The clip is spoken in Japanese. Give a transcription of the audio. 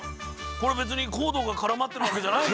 これ別にコードが絡まってるわけじゃないんでしょ？